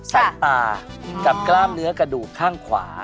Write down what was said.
สายตากับกล้ามเนื้อกระดูกข้างขวา